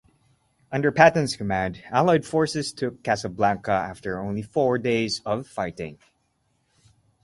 Under Patton's command, Allied forces took Casablanca after only four days of fighting.